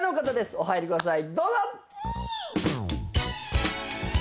お座りください。